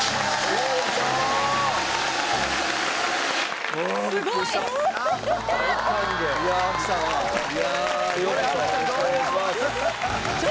よろしくお願いします。